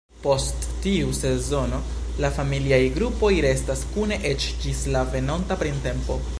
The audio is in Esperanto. Post tiu sezono la familiaj grupoj restas kune eĉ ĝis la venonta printempo.